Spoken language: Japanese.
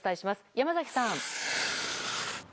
山崎さん。